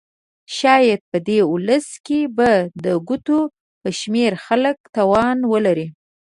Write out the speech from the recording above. شاید په دې ولس کې به د ګوتو په شمېر خلک توان ولري.